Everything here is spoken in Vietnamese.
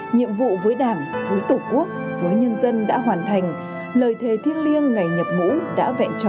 nhiệm vụ với đảng với tổ quốc với nhân dân đã hoàn thành lời thề thiêng liêng ngày nhập ngũ đã vẹn tròn